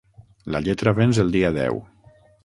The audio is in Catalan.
La lletra venç el dia deu.